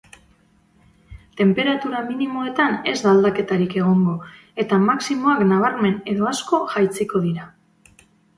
Tenperatura minimoetan ez da aldaketarik egongo eta maximoak nabarmen edo asko jaitsiko dira.